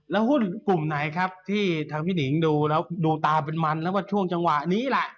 แล้วหุ้นกลุ่มไหนครับที่ทางพี่หนิงดูแล้วดูตาเป็นมันแล้วก็ช่วงจังหวะนี้แหละ